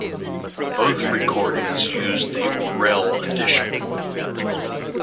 Both recordings used the Orel edition.